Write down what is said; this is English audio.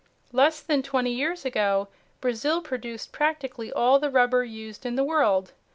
Less than twenty years ago Brazil produced practically all the rubber used in the world.